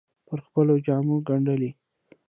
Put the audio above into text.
پر خپلو جامو ګنډلې